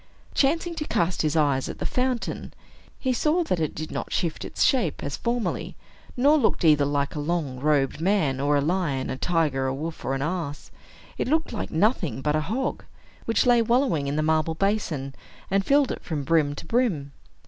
Chancing to cast his eyes at the fountain, he saw that it did not shift its shape, as formerly, nor looked either like a long robed man, or a lion, a tiger, a wolf, or an ass. It looked like nothing but a hog, which lay wallowing in the marble basin, and filled it from brim to brim.